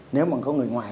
nếu mà có người ngoài